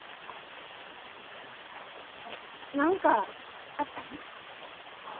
何かあったん？